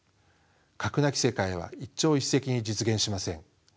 核なき世界は一朝一夕に実現しません。